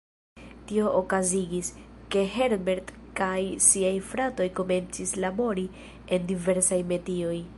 Tio okazigis, ke Herbert kaj siaj fratoj komencis labori en diversaj metioj.